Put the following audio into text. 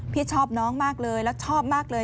พี่ชอบน้องมากเลยแล้วชอบมากเลย